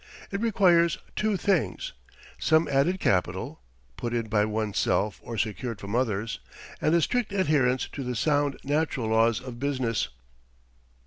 It requires two things: some added capital, put in by one's self or secured from others, and a strict adherence to the sound natural laws of business.